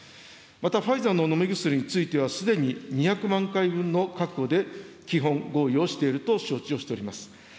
また、ファイザーの飲み薬については、すでに２００万回分の確保で基本合意をしていると承知をしております。